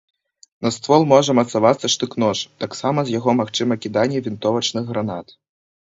На ствол можа мацавацца штык-нож, таксама з яго магчыма кіданне вінтовачных гранат.